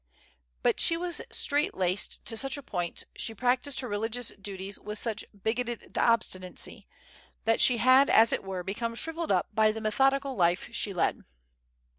But she was straight laced to such a point, she practiced her religious duties with such bigoted obstinacy, that she had, as it were, become shrivelled up by the methodical life she led.